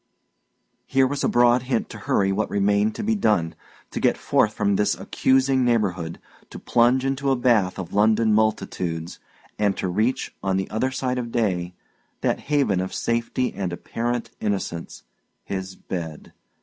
Here was a broad hint to hurry what remained to be done, to get forth from this accusing neighbourhood, to plunge into a bath of London multitudes, and to reach, on the other side of day, that haven of safety and apparent innocence his bed.